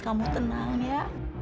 kamu tenang ya